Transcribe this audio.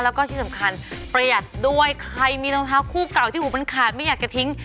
แล้วก็ที่สำคัญประหยัดด้วยใครมีรองเท้าคู่เก่าที่หูมันขาดไม่อยากจะทิ้ง